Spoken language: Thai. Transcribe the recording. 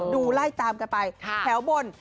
ดูไล่ตามกันไปแถวบน